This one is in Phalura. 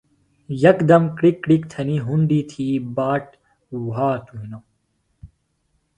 یکدم کِڑکک کِڑکک تھنیۡ ہُونڈی تھی باٹ وھاتوۡ ہِنوۡ